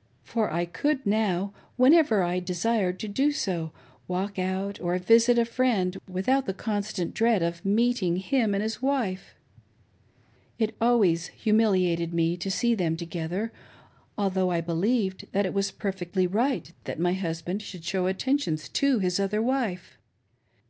I felt, therefore, comparatively free ; for I could now, whenever I desired to do so, walk out, or visit a friend, without the constant dread of meeting him and his wife. It always humiliated me to see them together, although I believed that it was perfectly right that my husband should show attentions to his other wife.